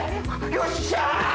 よっしゃあ！